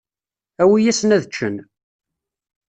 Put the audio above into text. Awi-yasen ad ččen.